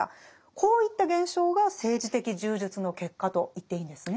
こういった現象が政治的柔術の結果と言っていいんですね？